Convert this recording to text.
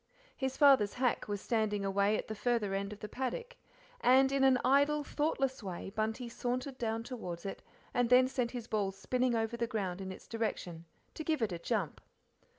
His father's hack was standing away at the farther end of the paddock, and in an idle, thoughtless way Bunty sauntered down towards it, and then sent his ball spinning over the ground in its direction "to give it a jump."